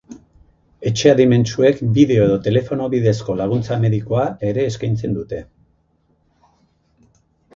Etxe adimentsuek bideo edo telefono bidezko laguntza medikoa ere eskaintzen dute.